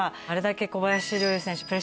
あれだけ小林陵侑選手